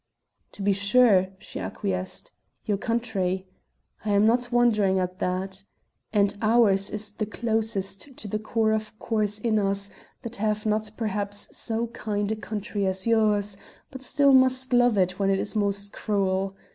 "To be sure!" she acquiesced, "your country! I am not wondering at that. And ours is the closest to the core of cores in us that have not perhaps so kind a country as yours, but still must love it when it is most cruel.